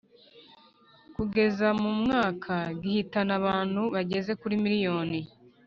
kugeza mu mwaka gihitana abantu bagera kuri miliyoni